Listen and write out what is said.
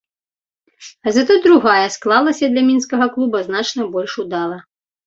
Затое другая склалася для мінскага клуба значна больш удала.